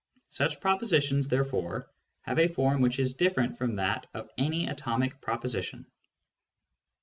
Such propositions, there fore, have a form which is different from that of any atomic proposition.